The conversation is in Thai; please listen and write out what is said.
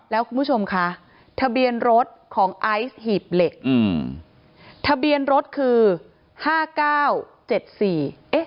แล้วผู้ชายเองก็ยังหลอนเลยนะมืดออกไปตากผ้า